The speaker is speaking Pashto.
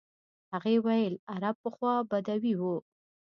هغې ویل عرب پخوا بدوي وو.